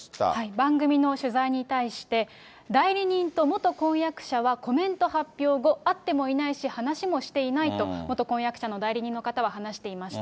番組の取材に対して、代理人と元婚約者はコメント発表後、会ってもいないし、話もしていないと、元婚約者の代理人の方は話していました。